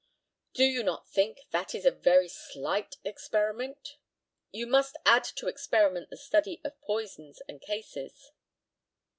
Do you not think that is a very slight experiment? You must add to experiment the study of poisons and cases.